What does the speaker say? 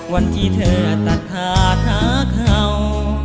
วันที่เธอตะทะทะเขา